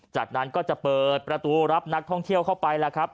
จากนั้นก็จะเปิดประตูรับนักท่องเที่ยวเข้าไปแล้วครับ